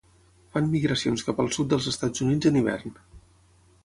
Fan migracions cap al sud dels Estats Units en hivern.